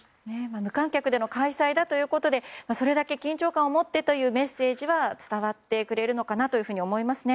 無観客での開催だということでそれだけ緊張感をもってというメッセージは伝わってくれるのかなと思いますね。